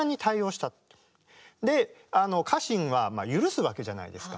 であの家臣はまあ許すわけじゃないですか。